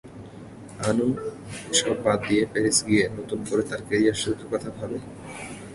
আনু সব বাদ দিয়ে প্যারিস গিয়ে নতুন করে তার ক্যারিয়ার শুরু করার কথা ভাবে।